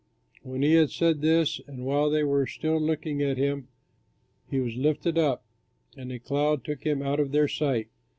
When he had said this and while they were still looking at him, he was lifted up, and a cloud took him out of their sight.